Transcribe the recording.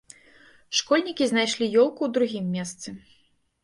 Школьнікі знайшлі ёлку ў другім месцы.